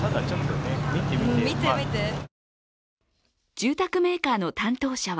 住宅メーカーの担当者は